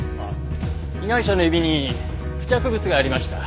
被害者の指に付着物がありました。